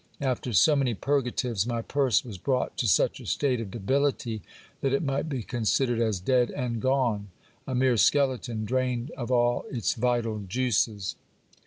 After so many purgatives, my purse was brought to such a state of debility, that it might be considered as dead and gone ; a mere skeleton, drained of all its vital juices.